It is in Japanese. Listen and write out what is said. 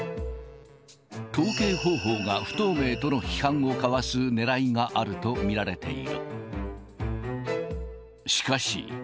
統計方法が不透明との批判をかわすねらいがあると見られている。